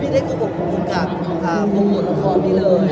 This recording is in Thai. พี่ได้คือบอกกลุ่มกลับ